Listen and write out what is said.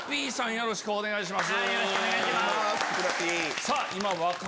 よろしくお願いします。